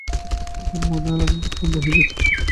একবার মনে হল আমি বোধহয় অন্ধ হয়ে গেছি।